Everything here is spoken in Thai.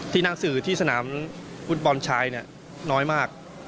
นั่งสื่อที่สนามฟุตบอลชายน้อยมาก